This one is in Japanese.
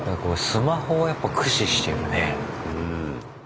スマホをやっぱ駆使してるね。